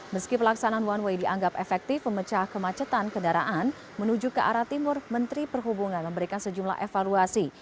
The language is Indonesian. meski pelaksanaan one way dianggap efektif memecah kemacetan kendaraan menuju ke arah timur menteri perhubungan memberikan sejumlah evaluasi